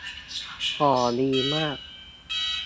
ห่อดีมาก